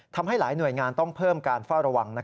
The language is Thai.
ทำให้หลายหน่วยงานต้องเพิ่มการเฝ้าระวัง